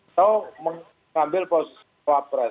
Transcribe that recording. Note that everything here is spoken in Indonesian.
atau mengambil posisi